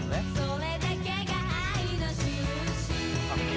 「それだけが愛のしるし」